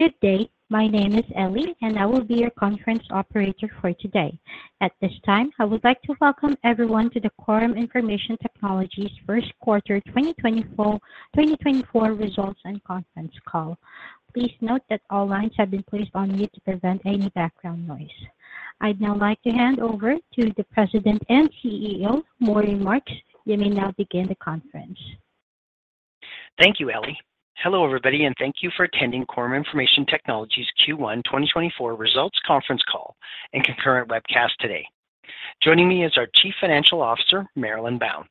Good day. My name is Ellie, and I will be your conference operator for today. At this time, I would like to welcome everyone to the Quorum Information Technologies first quarter 2024, 2024 results and conference call. Please note that all lines have been placed on mute to prevent any background noise. I'd now like to hand over to the President and CEO, Maury Marks. You may now begin the conference. Thank you, Ellie. Hello, everybody, and thank you for attending Quorum Information Technologies Q1 2024 results conference call and concurrent webcast today. Joining me is our Chief Financial Officer, Marilyn Bown.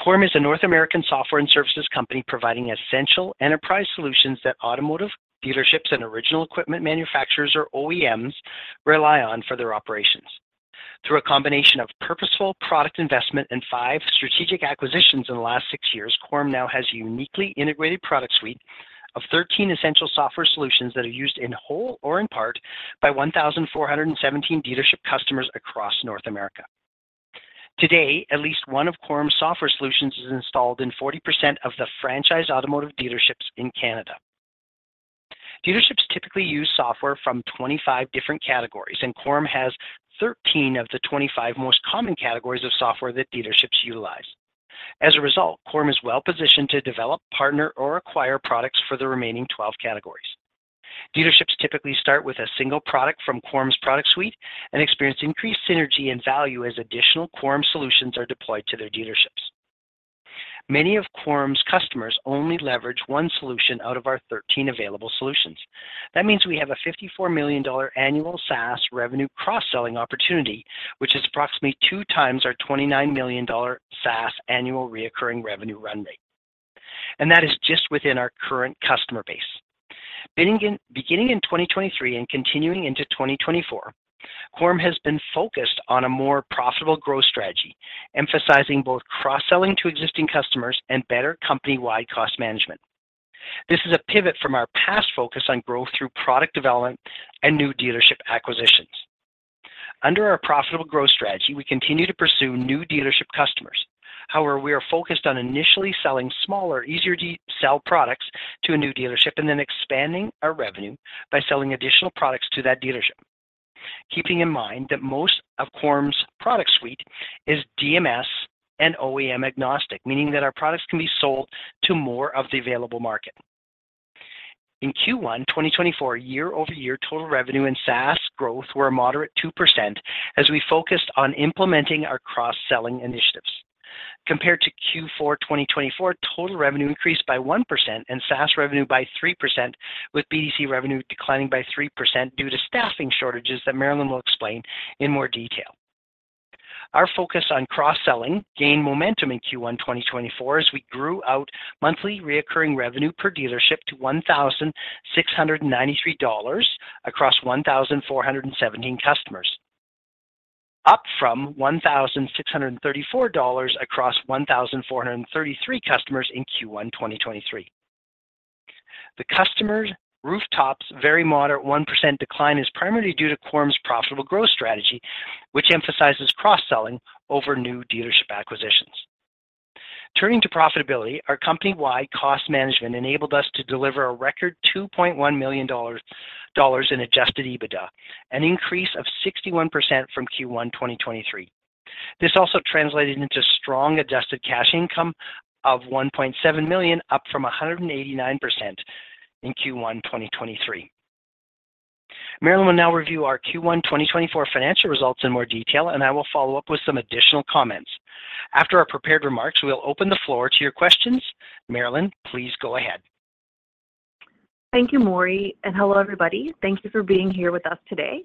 Quorum is a North American software and services company providing essential enterprise solutions that automotive dealerships and original equipment manufacturers, or OEMs, rely on for their operations. Through a combination of purposeful product investment and 5 strategic acquisitions in the last 6 years, Quorum now has a uniquely integrated product suite of 13 essential software solutions that are used in whole or in part by 1,417 dealership customers across North America. Today, at least one of Quorum's software solutions is installed in 40% of the franchise automotive dealerships in Canada. Dealerships typically use software from 25 different categories, and Quorum has 13 of the 25 most common categories of software that dealerships utilize. As a result, Quorum is well-positioned to develop, partner, or acquire products for the remaining 12 categories. Dealerships typically start with a single product from Quorum's product suite and experience increased synergy and value as additional Quorum solutions are deployed to their dealerships. Many of Quorum's customers only leverage one solution out of our 13 available solutions. That means we have a 54 million dollar annual SaaS revenue cross-selling opportunity, which is approximately two times our 29 million dollar SaaS annual recurring revenue run rate, and that is just within our current customer base. Beginning in 2023 and continuing into 2024, Quorum has been focused on a more profitable growth strategy, emphasizing both cross-selling to existing customers and better company-wide cost management. This is a pivot from our past focus on growth through product development and new dealership acquisitions. Under our profitable growth strategy, we continue to pursue new dealership customers. However, we are focused on initially selling smaller, easier-to-sell products to a new dealership and then expanding our revenue by selling additional products to that dealership. Keeping in mind that most of Quorum's product suite is DMS and OEM-agnostic, meaning that our products can be sold to more of the available market. In Q1 2024, year-over-year total revenue and SaaS growth were a moderate 2%, as we focused on implementing our cross-selling initiatives. Compared to Q4 2024, total revenue increased by 1% and SaaS revenue by 3%, with BDC revenue declining by 3% due to staffing shortages that Marilyn will explain in more detail. Our focus on cross-selling gained momentum in Q1 2024, as we grew our monthly recurring revenue per dealership to 1,693 dollars across 1,417 customers, up from 1,634 dollars across 1,433 customers in Q1 2023. The customers' rooftops very moderate 1% decline is primarily due to Quorum's profitable growth strategy, which emphasizes cross-selling over new dealership acquisitions. Turning to profitability, our company-wide cost management enabled us to deliver a record 2.1 million dollars in Adjusted EBITDA, an increase of 61% from Q1 2023. This also translated into strong Adjusted Cash Income of 1.7 million, up from 189% in Q1 2023. Marilyn will now review our Q1 2024 financial results in more detail, and I will follow up with some additional comments. After our prepared remarks, we'll open the floor to your questions. Marilyn, please go ahead. Thank you, Maury, and hello, everybody. Thank you for being here with us today.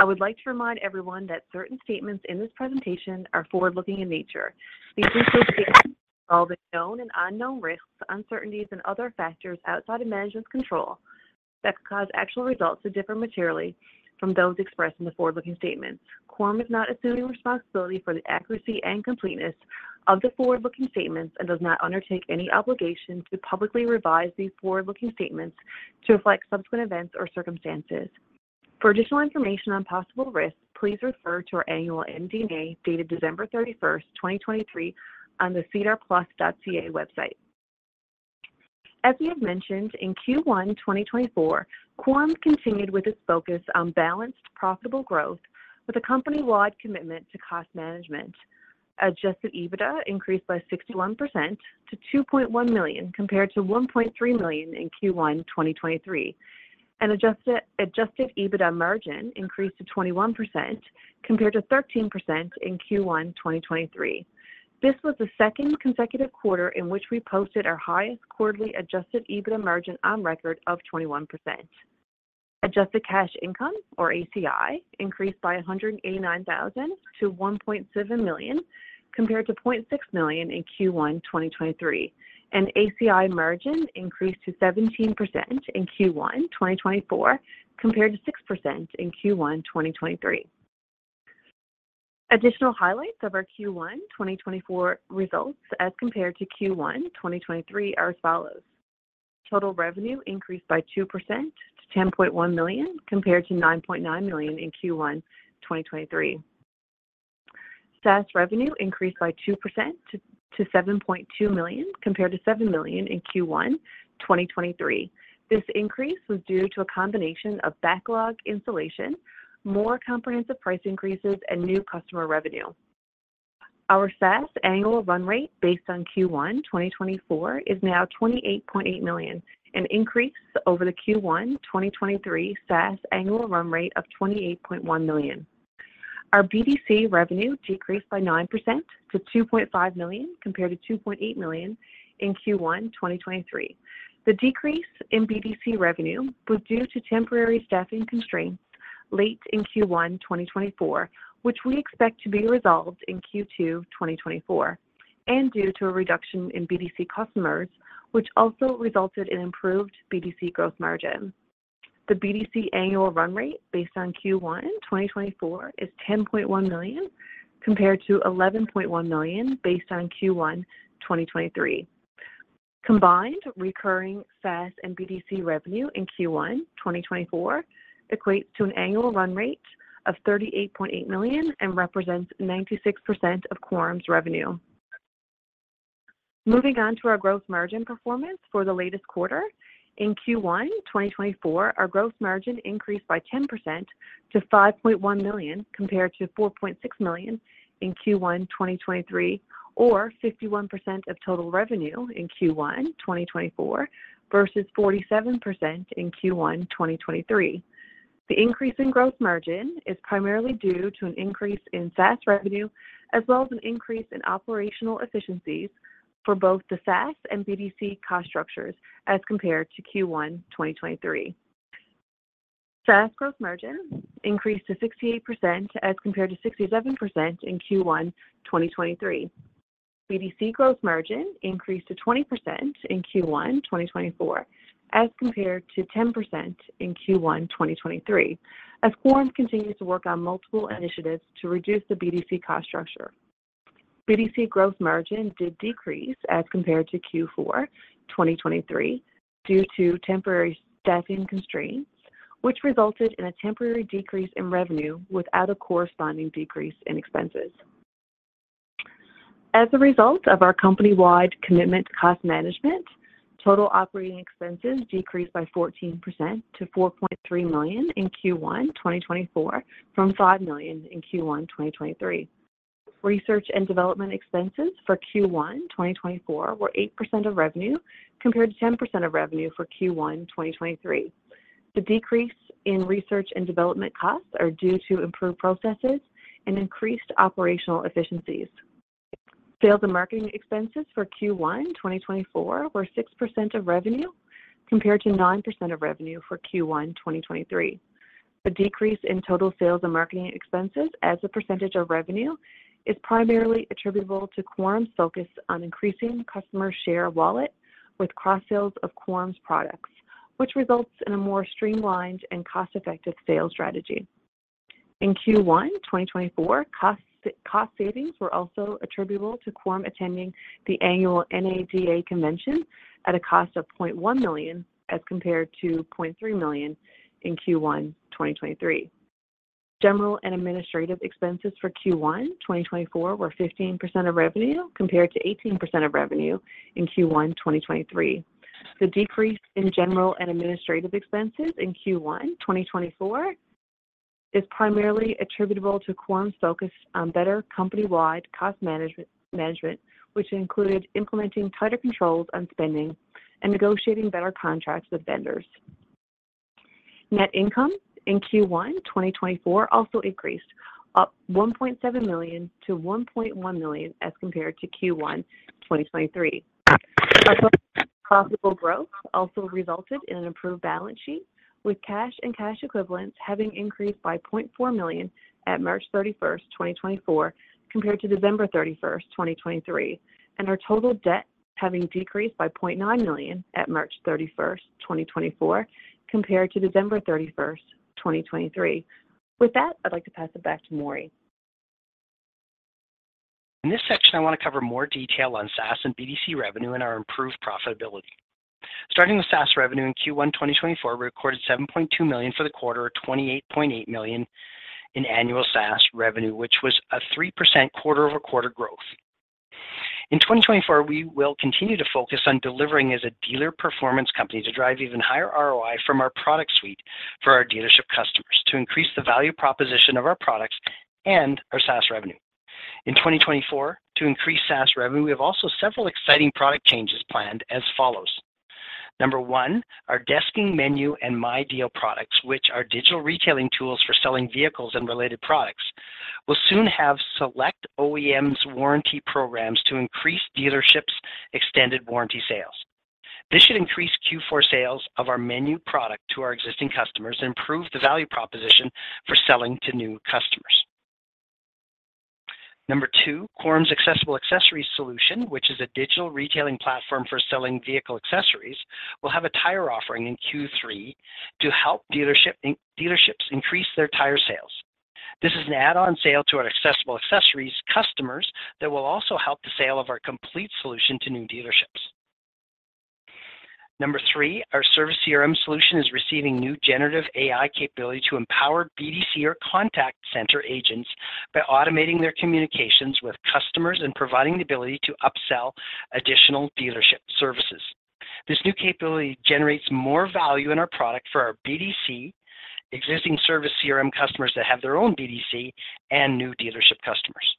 I would like to remind everyone that certain statements in this presentation are forward-looking in nature. These future statements involve the known and unknown risks, uncertainties and other factors outside of management's control that could cause actual results to differ materially from those expressed in the forward-looking statements. Quorum is not assuming responsibility for the accuracy and completeness of the forward-looking statements and does not undertake any obligation to publicly revise these forward-looking statements to reflect subsequent events or circumstances. For additional information on possible risks, please refer to our annual MD&A, dated December 31, 2023, on the SEDAR+.ca website. As we have mentioned, in Q1 2024, Quorum continued with its focus on balanced, profitable growth with a company-wide commitment to cost management. Adjusted EBITDA increased by 61% to 2.1 million, compared to 1.3 million in Q1 2023. Adjusted EBITDA margin increased to 21%, compared to 13% in Q1 2023. This was the second consecutive quarter in which we posted our highest quarterly adjusted EBITDA margin on record of 21%. Adjusted cash income, or ACI, increased by 189,000 to 1.7 million, compared to 0.6 million in Q1 2023. ACI margin increased to 17% in Q1 2024, compared to 6% in Q1 2023. Additional highlights of our Q1 2024 results as compared to Q1 2023 are as follows: Total revenue increased by 2% to 10.1 million, compared to 9.9 million in Q1 2023. SaaS revenue increased by 2% to 7.2 million, compared to 7 million in Q1 2023. This increase was due to a combination of backlog installation, more comprehensive price increases, and new customer revenue. Our SaaS annual run rate, based on Q1 2024, is now 28.8 million, an increase over the Q1 2023 SaaS annual run rate of 28.1 million. Our BDC revenue decreased by 9% to 2.5 million, compared to 2.8 million in Q1 2023. The decrease in BDC revenue was due to temporary staffing constraints late in Q1 2024, which we expect to be resolved in Q2 2024, and due to a reduction in BDC customers, which also resulted in improved BDC gross margin. The BDC annual run rate based on Q1 2024 is 10.1 million, compared to 11.1 million based on Q1 2023. Combined, recurring SaaS and BDC revenue in Q1 2024 equates to an annual run rate of 38.8 million and represents 96% of Quorum's revenue. Moving on to our gross margin performance for the latest quarter. In Q1 2024, our gross margin increased by 10% to 5.1 million, compared to 4.6 million in Q1 2023, or 51% of total revenue in Q1 2024 versus 47% in Q1 2023. The increase in gross margin is primarily due to an increase in SaaS revenue, as well as an increase in operational efficiencies for both the SaaS and BDC cost structures as compared to Q1 2023. SaaS gross margin increased to 68%, as compared to 67% in Q1 2023. BDC gross margin increased to 20% in Q1 2024, as compared to 10% in Q1 2023, as Quorum continues to work on multiple initiatives to reduce the BDC cost structure. BDC gross margin did decrease as compared to Q4 2023, due to temporary staffing constraints, which resulted in a temporary decrease in revenue without a corresponding decrease in expenses. As a result of our company-wide commitment to cost management, total operating expenses decreased by 14% to 4.3 million in Q1 2024 from 5 million in Q1 2023. Research and development expenses for Q1 2024 were 8% of revenue, compared to 10% of revenue for Q1 2023. The decrease in research and development costs are due to improved processes and increased operational efficiencies. Sales and marketing expenses for Q1 2024 were 6% of revenue, compared to 9% of revenue for Q1 2023. The decrease in total sales and marketing expenses as a percentage of revenue is primarily attributable to Quorum's focus on increasing customer share of wallet with cross sales of Quorum's products, which results in a more streamlined and cost-effective sales strategy. In Q1 2024, cost savings were also attributable to Quorum attending the annual NADA convention at a cost of 0.1 million, as compared to 0.3 million in Q1 2023. General and administrative expenses for Q1 2024 were 15% of revenue, compared to 18% of revenue in Q1 2023. The decrease in general and administrative expenses in Q1 2024 is primarily attributable to Quorum's focus on better company-wide cost management, which included implementing tighter controls on spending and negotiating better contracts with vendors. Net income in Q1 2024 also increased, up 1.7 million to 1.1 million as compared to Q1 2023. Profitability growth also resulted in an improved balance sheet, with cash and cash equivalents having increased by 0.4 million at March 31, 2024, compared to December 31, 2023, and our total debt having decreased by 0.9 million at March 31, 2024, compared to December 31, 2023. With that, I'd like to pass it back to Maury. In this section, I wanna cover more detail on SaaS and BDC revenue and our improved profitability. Starting with SaaS revenue in Q1 2024, we recorded 7.2 million for the quarter, or 28.8 million in annual SaaS revenue, which was a 3% quarter-over-quarter growth. In 2024, we will continue to focus on delivering as a dealer performance company to drive even higher ROI from our product suite for our dealership customers to increase the value proposition of our products and our SaaS revenue. In 2024, to increase SaaS revenue, we have also several exciting product changes planned as follows: number one, our Desking, Menu, and MyDeal products, which are digital retailing tools for selling vehicles and related products, will soon have select OEMs warranty programs to increase dealerships extended warranty sales. This should increase Q4 sales of our Menu product to our existing customers and improve the value proposition for selling to new customers. Number 2, Quorum's Accessible Accessories solution, which is a digital retailing platform for selling vehicle accessories, will have a tire offering in Q3 to help dealerships increase their tire sales. This is an add-on sale to our Accessible Accessories customers that will also help the sale of our complete solution to new dealerships. Number 3, our service CRM solution is receiving new generative AI capability to empower BDC or contact center agents by automating their communications with customers and providing the ability to upsell additional dealership services. This new capability generates more value in our product for our BDC, existing service CRM customers that have their own BDC, and new dealership customers.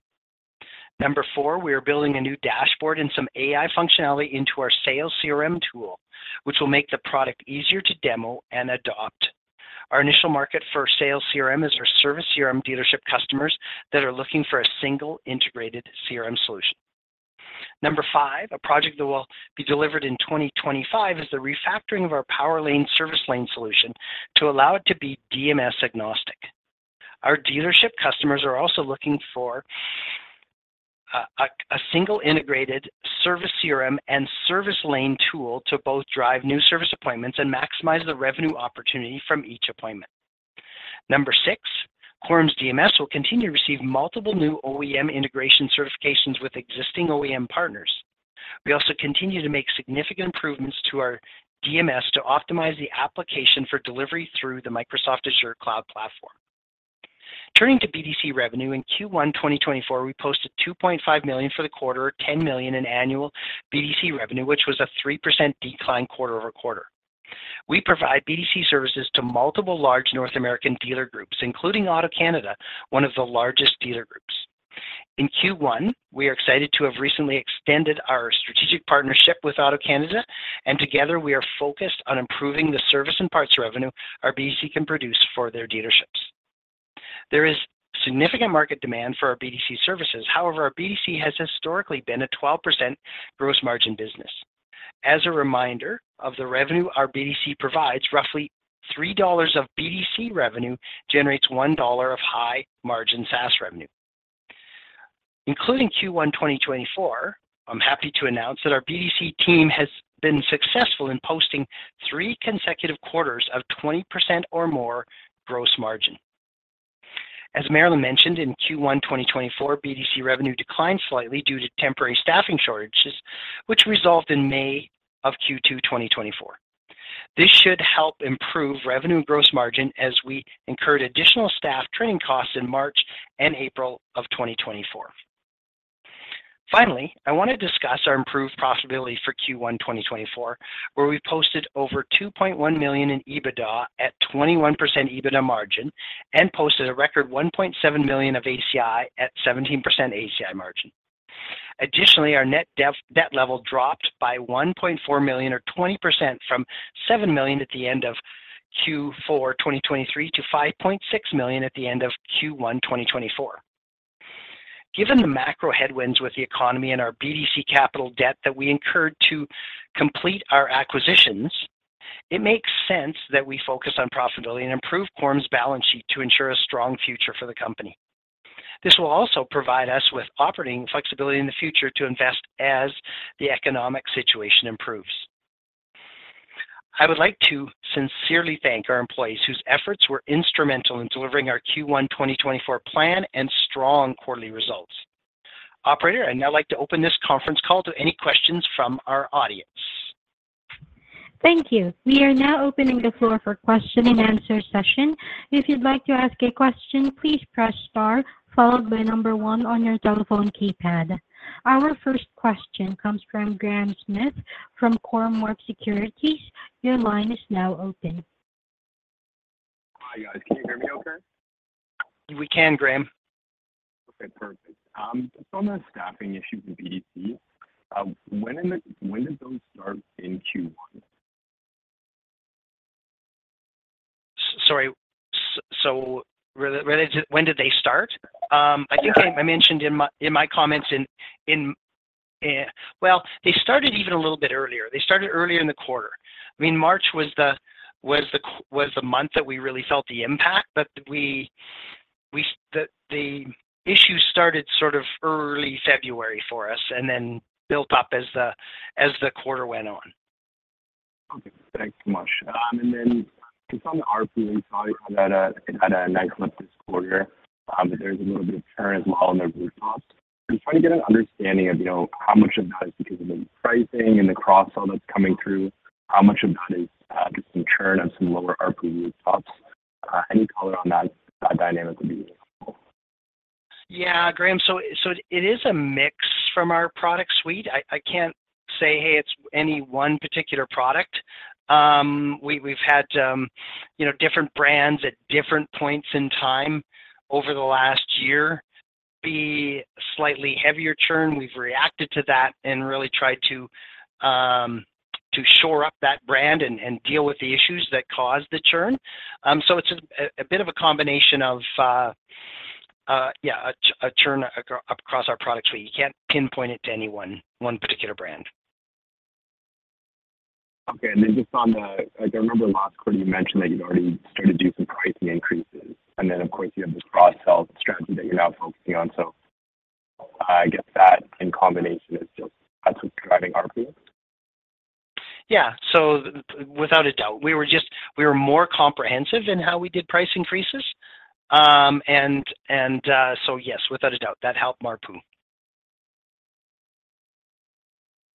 Number four, we are building a new dashboard and some AI functionality into our Sales CRM tool, which will make the product easier to demo and adopt. Our initial market for Sales CRM is our Service CRM dealership customers that are looking for a single integrated CRM solution. Number five, a project that will be delivered in 2025 is the refactoring of our PowerLane service lane solution to allow it to be DMS agnostic. Our dealership customers are also looking for a single integrated Service CRM and service lane tool to both drive new service appointments and maximize the revenue opportunity from each appointment. Number six, Quorum's DMS will continue to receive multiple new OEM integration certifications with existing OEM partners. We also continue to make significant improvements to our DMS to optimize the application for delivery through the Microsoft Azure cloud platform. Turning to BDC revenue, in Q1 2024, we posted 2.5 million for the quarter, 10 million in annual BDC revenue, which was a 3% decline quarter-over-quarter. We provide BDC services to multiple large North American dealer groups, including AutoCanada, one of the largest dealer groups. In Q1, we are excited to have recently extended our strategic partnership with AutoCanada, and together, we are focused on improving the service and parts revenue our BDC can produce for their dealerships. There is significant market demand for our BDC services. However, our BDC has historically been a 12% gross margin business. As a reminder of the revenue our BDC provides, roughly 3 dollars of BDC revenue generates 1 dollar of high-margin SaaS revenue. Including Q1 2024, I'm happy to announce that our BDC team has been successful in posting three consecutive quarters of 20% or more gross margin. As Marilyn mentioned, in Q1 2024, BDC revenue declined slightly due to temporary staffing shortages, which resolved in May of Q2 2024. This should help improve revenue and gross margin as we incurred additional staff training costs in March and April of 2024. Finally, I wanna discuss our improved profitability for Q1 2024, where we posted over 2.1 million in EBITDA at 21% EBITDA margin and posted a record 1.7 million of ACI at 17% ACI margin. Additionally, our net debt level dropped by 1.4 million, or 20% from 7 million at the end of Q4 2023 to 5.6 million at the end of Q1 2024. Given the macro headwinds with the economy and our BDC capital debt that we incurred to complete our acquisitions, it makes sense that we focus on profitability and improve Quorum's balance sheet to ensure a strong future for the company. This will also provide us with operating flexibility in the future to invest as the economic situation improves. I would like to sincerely thank our employees, whose efforts were instrumental in delivering our Q1 2024 plan and strong quarterly results. Operator, I'd now like to open this conference call to any questions from our audience. Thank you. We are now opening the floor for question and answer session. If you'd like to ask a question, please press star, followed by number one on your telephone keypad. Our first question comes from Graham Smith from Cormark Securities. Your line is now open. Hi, guys. Can you hear me okay? We can, Graham. Okay, perfect. Just on the staffing issue with BDC, when did those start in Q1? Sorry, so when did they start? Yeah. I think I mentioned in my comments. Well, they started even a little bit earlier. They started earlier in the quarter. I mean, March was the month that we really felt the impact, but we... The issue started sort of early February for us, and then built up as the quarter went on. Okay. Thanks so much. And then just on the RPU side, it had a nice lift this quarter, but there's a little bit of churn as well in the rooftops. I'm trying to get an understanding of, you know, how much of that is because of the pricing and the cross-sell that's coming through, how much of that is just some churn on some lower RPU tops. Any color on that dynamic would be helpful. Yeah, Graham. So, it is a mix from our product suite. I can't say, hey, it's any one particular product. We've had, you know, different brands at different points in time over the last year be slightly heavier churn. We've reacted to that and really tried to shore up that brand and deal with the issues that caused the churn. So it's a bit of a combination of, yeah, a churn across our product suite. You can't pinpoint it to any one particular brand. Okay, and then just on the... Like, I remember last quarter, you mentioned that you'd already started to do some pricing increases, and then, of course, you have this cross-sell strategy that you're now focusing on. So I guess that, in combination, is just that's what's driving RPU? Yeah. So without a doubt, we were more comprehensive in how we did price increases. So yes, without a doubt, that helped RPU.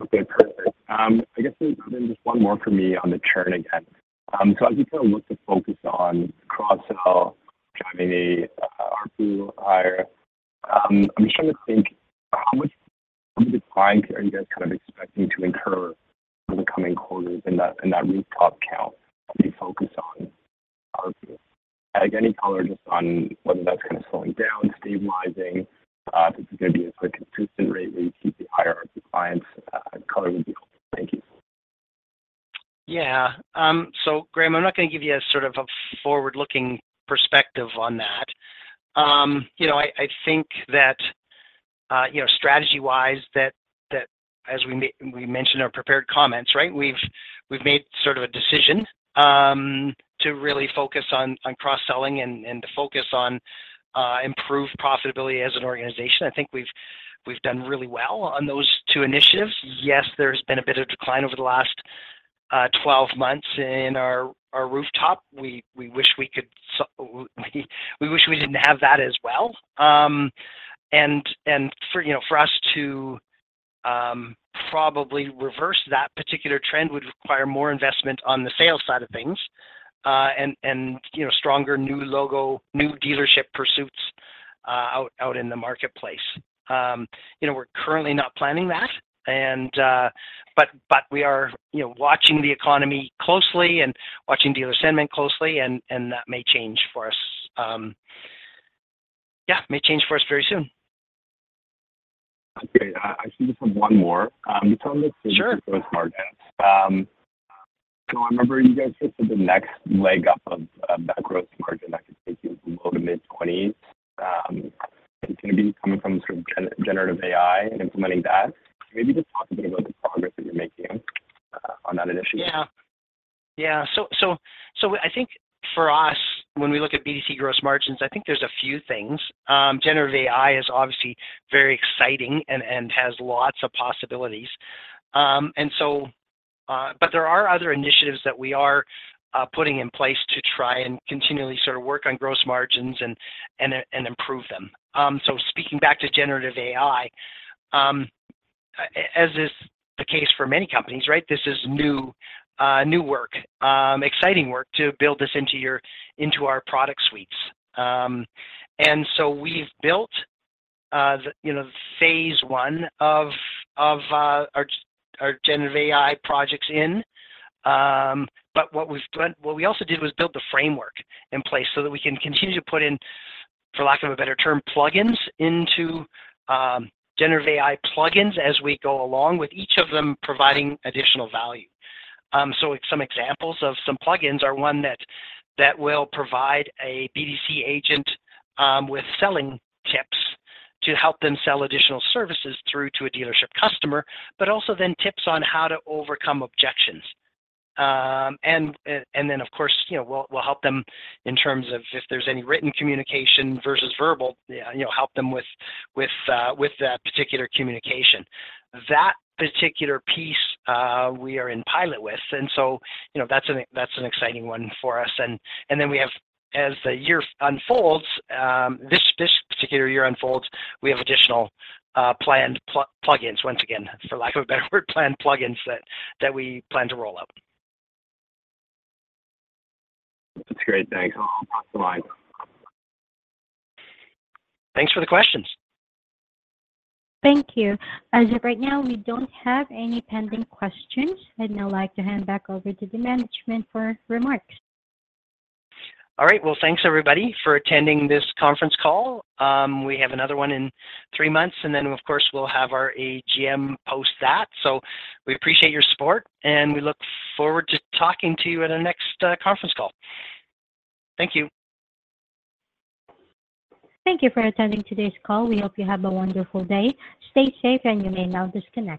Okay, perfect. I guess there's just one more for me on the churn again. So as you kind of look to focus on cross-sell, driving the ARPU higher, I'm just trying to think, how much, how many declines are you guys kind of expecting to incur in the coming quarters in that, in that rooftop count as you focus on ARPU? Like, any color just on whether that's kind of slowing down, stabilizing, if it's gonna be at a consistent rate where you keep the higher ARPU clients, color would be helpful. Thank you. Yeah. So Graham, I'm not gonna give you a sort of a forward-looking perspective on that. You know, I think that, you know, strategy-wise, that as we mentioned in our prepared comments, right, we've made sort of a decision to really focus on cross-selling and to focus on improved profitability as an organization. I think we've done really well on those two initiatives. Yes, there's been a bit of decline over the last 12 months in our rooftop. We wish we didn't have that as well. And for, you know, for us to probably reverse that particular trend would require more investment on the sales side of things, and, you know, stronger new logo, new dealership pursuits out in the marketplace. You know, we're currently not planning that, and but we are, you know, watching the economy closely and watching dealer sentiment closely, and that may change for us. Yeah, it may change for us very soon. Okay. I just have one more. Can you tell me- Sure. About gross margins? So I remember you guys said the next leg up of that gross margin that could take you from low- to mid-20s, it's gonna be coming from sort of generative AI and implementing that. Maybe just talk a bit about the progress that you're making on that initiative. Yeah. Yeah, so I think for us, when we look at BDC gross margins, I think there's a few things. Generative AI is obviously very exciting and has lots of possibilities. And so but there are other initiatives that we are putting in place to try and continually sort of work on gross margins and improve them. So speaking back to Generative AI, as is the case for many companies, right, this is new work, exciting work to build this into our product suites. And so we've built the, you know, phase one of our generative AI projects, but what we've done—what we also did was build the framework in place so that we can continue to put in, for lack of a better term, plugins into generative AI plugins as we go along, with each of them providing additional value. So some examples of some plugins are one that will provide a BDC agent with selling tips to help them sell additional services through to a dealership customer, but also then tips on how to overcome objections. And then, of course, you know, we'll help them in terms of if there's any written communication versus verbal, you know, help them with that particular communication. That particular piece, we are in pilot with, and so, you know, that's an, that's an exciting one for us. And then we have, as the year unfolds, this particular year unfolds, we have additional planned plugins, once again, for lack of a better word, planned plugins that we plan to roll out. That's great. Thanks. I'll pass the line. Thanks for the questions. Thank you. As of right now, we don't have any pending questions. I'd now like to hand back over to the management for remarks. All right. Well, thanks, everybody, for attending this conference call. We have another one in three months, and then, of course, we'll have our AGM post that. So we appreciate your support, and we look forward to talking to you at our next conference call. Thank you. Thank you for attending today's call. We hope you have a wonderful day. Stay safe, and you may now disconnect.